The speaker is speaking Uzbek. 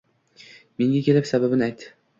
Menga kelib sababin aytdi.